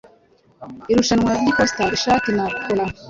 Irushanwa ryiposita-ishati na cola